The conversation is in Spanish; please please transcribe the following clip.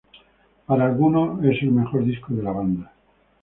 Para algunos es el mejor disco de la banda.